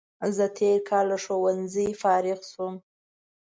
زه تېر کال له ښوونځي فارغ شوم